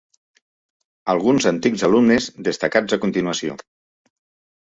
Alguns antics alumnes destacats a continuació.